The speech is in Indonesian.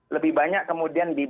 lebih banyak kemudian